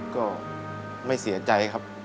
ก็ไม่เสียใจครับ